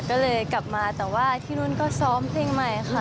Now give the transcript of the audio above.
ก็เลยกลับมาแต่ว่าที่นู่นก็ซ้อมเพลงใหม่ค่ะ